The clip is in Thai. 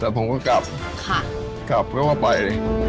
ประมาณนี้มีใครมาขายอันนี้